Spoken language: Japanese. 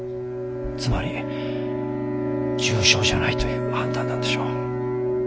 つまり重症じゃないという判断なんでしょう。